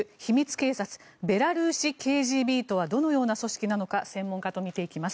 警察ベラルーシＫＧＢとはどのような組織なのか専門家と見ていきます。